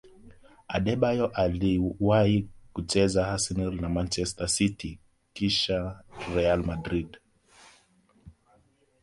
adebayor aliwahi kucheza arsenal na manchester city kisha real madrid